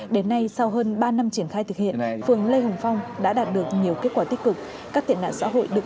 đến nay sau hơn ba năm triển khai thực hiện phường lê hồng phong đã đạt được nhiều kết quả tích cực